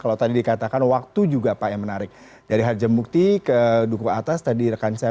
kalau tadi dikatakan waktu juga pak yang menarik dari harjamukti ke duku atas tadi rekan saya